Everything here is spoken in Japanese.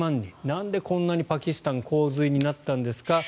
なんでこんなにパキスタン洪水になったんですか。